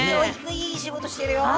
いい仕事してるよ。